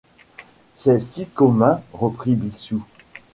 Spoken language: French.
C’est si commun ! reprit Bixiou.